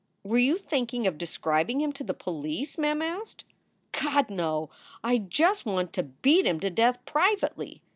"Were you thinking of describing him to the police? * Mem asked. "God, no! I just want to beat him to death privately.